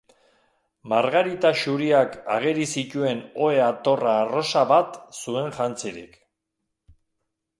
Margarita xuriak ageri zituen ohe-atorra arrosa bat zuen jantzirik.